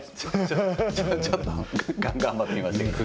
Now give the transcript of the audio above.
ちょっと頑張ってみましたけど。